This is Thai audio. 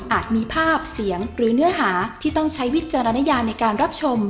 มีภาพเสียงหรือเนื้อหาที่ต้องใช้วิจารณญาในการรับชม